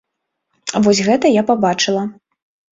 Вось гэта я пабачыла.